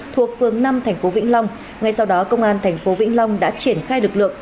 khu vực phường năm tp vĩnh long ngay sau đó công an tp vĩnh long đã triển khai lực lượng